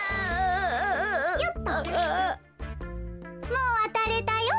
もうわたれたよ。